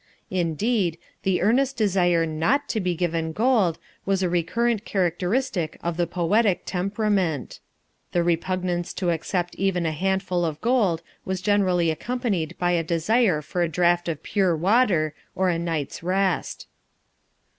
Indeed, the earnest desire NOT to be given gold was a recurrent characteristic of the poetic temperament. The repugnance to accept even a handful of gold was generally accompanied by a desire for a draught of pure water or a night's rest.